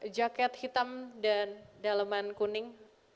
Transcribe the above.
jaket hitam dan daleman kuning